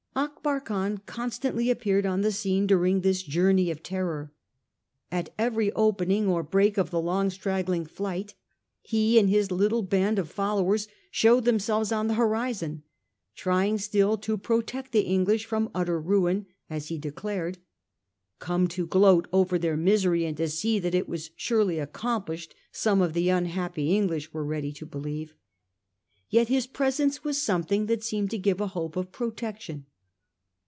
Akbar Khan constantly appeared on the scene during this journey of terror. At every opening or break of the long straggling flight he and his little band of followers showed themselves on the horizon: trying still to protect the English from utter ruin, as he de dared ; come to gloat over their misery and to see that it was surely accomplished, some of the unhappy English were ready to believe. Yet his presence was something that seemed to give a hope of protection.